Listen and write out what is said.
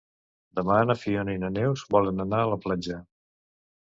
Demà na Fiona i na Neus volen anar a la platja.